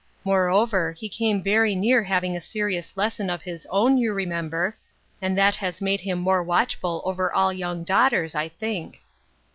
More over, he came very near having a serious lesson of his own, you remember ; and that has made him more watchful over all young daughters, I think."